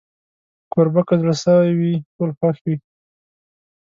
کوربه که زړه سوي وي، ټول خوښ وي.